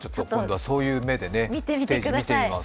そういう目でステージ見てみます。